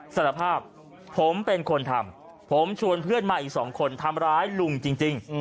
สารภาพผมเป็นคนทำผมชวนเพื่อนมาอีก๒คนทำร้ายลุงจริง